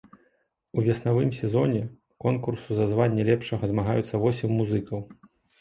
У веснавым сезоне конкурсу за званне лепшага змагаюцца восем музыкаў.